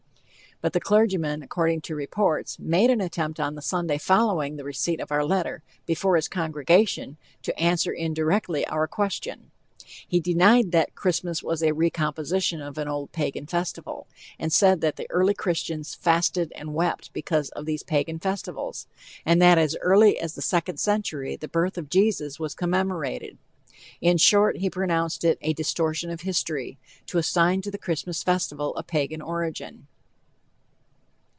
But the clergyman, according to reports, made an attempt on the Sunday following the receipt of our letter, before his congregation, to answer indirectly our question. He denied that "Christmas was a recomposition of an old Pagan festival," and said that the early Christians "fasted and wept" because of these Pagan festivals, and that as early as the second century, the birth of Jesus was commemorated. In short, he pronounced it "a distortion of history" to assign to the Christmas festival a Pagan origin.